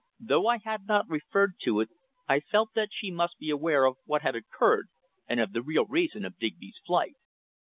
Though I had not referred to it I felt that she must be aware of what had occurred, and of the real reason of Digby's flight.